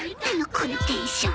このテンション。